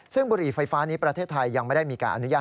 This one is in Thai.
ซึ่งบุหรี่ไฟฟ้านี้ประเทศไทยยังไม่ได้มีการอนุญาต